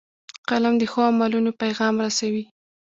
قلم د ښو عملونو پیغام رسوي